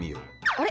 あれ！